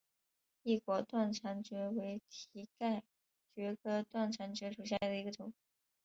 异果短肠蕨为蹄盖蕨科短肠蕨属下的一个种。